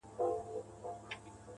په سونډو کي چي ولگېدی زوز په سجده کي_